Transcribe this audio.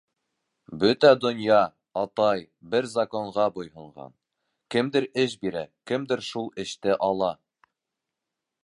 Бөтә донъя, атай, бер законға буйһонған: кемдер эш бирә, кемдер шул эште ала.